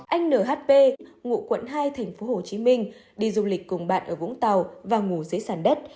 anh nhp ngụ quận hai tp hcm đi du lịch cùng bạn ở vũng tàu và ngủ dưới sàn đất